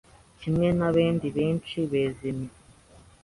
kimwe n’ebendi benshi bezime